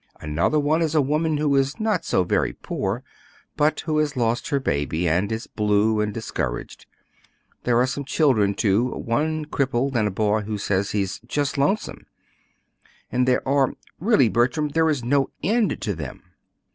Another one is a woman who is not so very poor, but who has lost her baby, and is blue and discouraged. There are some children, too, one crippled, and a boy who says he's 'just lonesome.' And there are really, Bertram, there is no end to them."